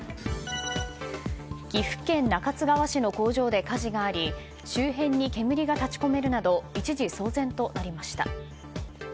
岐阜県中津川市の工場で火事があり周辺に煙が立ち込めるなど一時、騒然となりました。